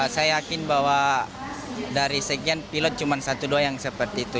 saya yakin bahwa dari sekian pilot cuma satu dua yang seperti itu